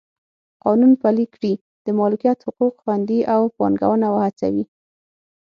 قانون پلی کړي د مالکیت حقوق خوندي او پانګونه وهڅوي.